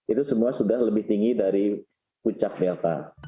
itu semua sudah lebih tinggi dari puncak delta